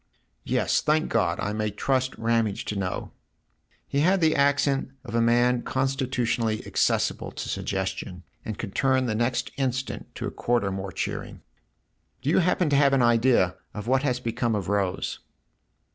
"Yes, thank God, I may trust Ramage to know !" He had the accent of a man constitu tionally accessible to suggestion, and could turn the next instant to a quarter more cheering. " Do you happen to have an idea of what has become of Rose